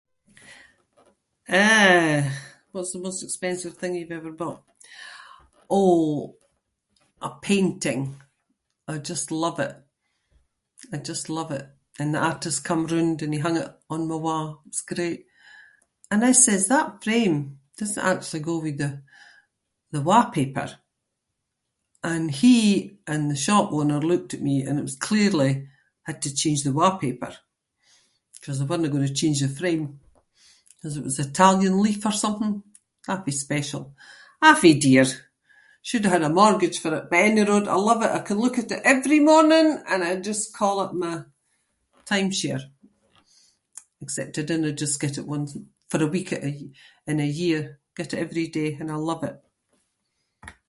Eh! What’s the most expensive thing you’ve ever bought? Oh, a painting. I just love it. I just love it and the artist come roond and he hung it on my wa’. It was great. And I says “that frame doesnae actually go with the- the wallpaper” and he and the shop owner looked at me and it was clearly- had to change the wallpaper ‘cause they werenae gonna change the frame ‘cause it was Italian leaf or something- awfu' special- awfu' dear. Should've had a mortgage for it but anyroad, I love it. I can look at it every morning and I just call it my timeshare, except I dinna just get it once a- for a week i- in a year. I get it every day and I love it.